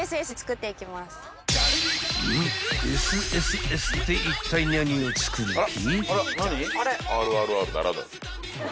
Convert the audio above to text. ［んっ？ＳＳＳっていったい何を作る気？］